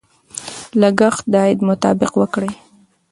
لګښت د عاید مطابق وکړئ.